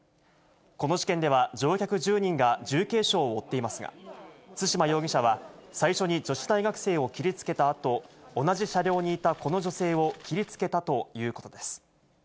この事件では乗客１０人が重軽傷を負っていますが、對馬容疑者は最初に女子大学生を切りつけたあと、同じ車両にいたこの女性を切りつけたということです。